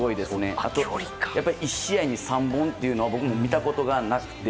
あと、１試合に３本というのは僕も見たことがなくて。